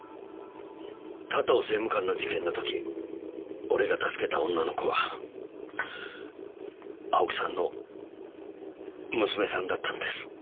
加藤政務官の事件の時俺が助けた女の子は青木さんの娘さんだったんです。